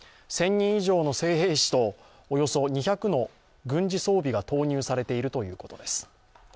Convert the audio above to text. １０００人以上の兵士とおよそ２００の軍事装備が投入されているということです。